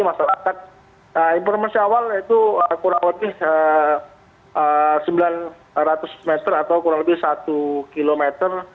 masyarakat informasi awal itu kurang lebih sembilan ratus meter atau kurang lebih satu kilometer